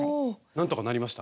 なんとかなりました？